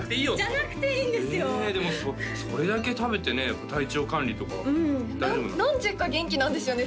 じゃなくていいんですよえでもそれだけ食べて体調管理とかはうんなぜか元気なんですよね